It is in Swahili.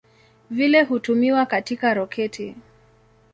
Vile hutumiwa katika roketi.